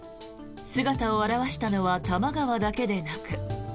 姿を現したのは多摩川だけでなく。